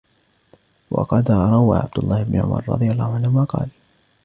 وَقَدْ رَوَى عَبْدُ اللَّهِ بْنُ عُمَرَ رَضِيَ اللَّهُ عَنْهُمَا قَالَ